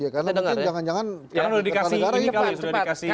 karena mungkin jangan jangan di ketanegara ya